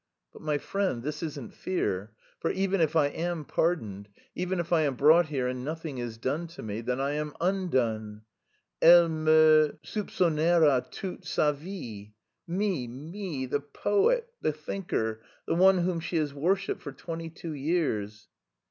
"But, my friend, this isn't fear. For even if I am pardoned, even if I am brought here and nothing is done to me then I am undone. Elle me soupçonnera toute sa vie me, me, the poet, the thinker, the man whom she has worshipped for twenty two years!"